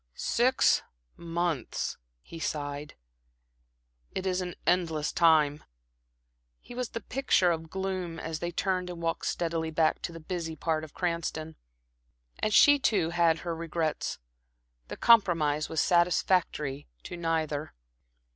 "Six months," he sighed. "It is an endless time." He was the picture of gloom as they turned and walked steadily back to the busy part of Cranston. And she, too, had her regrets. The compromise was satisfactory to neither.